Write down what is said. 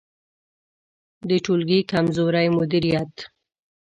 د ټولګي کمزوری مدیریت